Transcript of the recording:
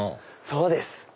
そうです！